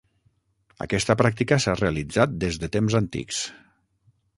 Aquesta pràctica s'ha realitzat des de temps antics.